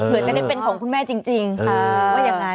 เผื่อแทนที่เป็นของคุณแม่จริง